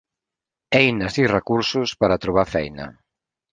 Eines i recursos per a trobar feina.